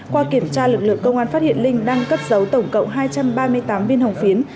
qua kiểm tra lực lượng công an phát hiện linh đang cất giấu tổng cộng hai trăm ba mươi tám viên hồng phiến